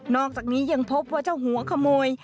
อกจากนี้ยังพบว่าเจ้าหัวขโมย